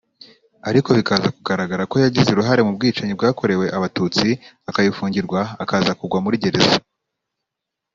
ariko bikaza kugaragara ko yagize uruhare mu bwicanyi bwakorewe Abatutsi akabifungirwa akaza kugwa muri gereza